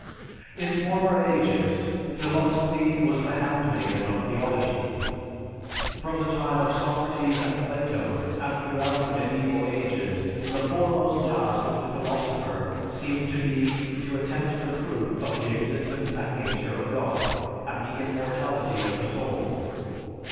In former ages, philosophy was the handmaiden of theology. From the time of Socrates and Plato, and throughout the medieval ages, the foremost task of the philosopher seemed to be to attempt the proof of the existence and nature of God, and the immortality of the soul.